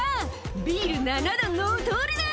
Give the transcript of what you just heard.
ビール７段のお通りだ！」